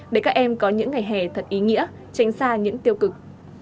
để các em có những ngày hè thật ý nghĩa tránh xa những tiêu cực